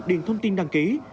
điền thông tin đăng ký